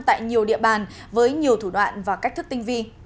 tại nhiều địa bàn với nhiều thủ đoạn và cách thức tinh vi